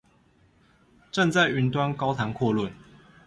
站在雲端高談闊論